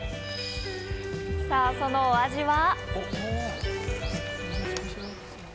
さぁ、そのお味は？